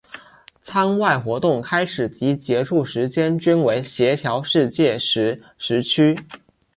舱外活动开始及结束时间均为协调世界时时区。